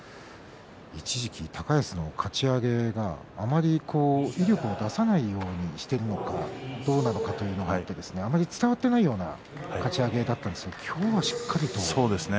一時、高安のかち上げは力を出さないようにしているのかどうなのかというのがあってあまり伝わっていないようなかち上げだったんですが今日はしっかりと。